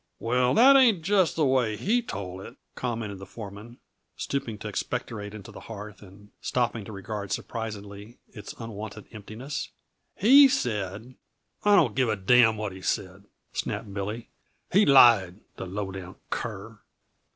"Well, that ain't just the way he told it," commented the foreman, stooping to expectorate into the hearth and stopping to regard surprisedly its unwonted emptiness. "He said " "I don't give a damn what he said," snapped Billy. "He lied, the low down cur."